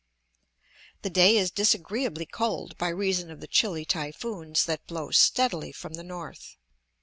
The day is disagreeably cold by reason of the chilly typhoons that blow steadily from the north.